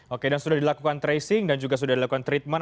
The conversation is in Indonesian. oke dan sudah dilakukan tracing dan juga sudah dilakukan treatment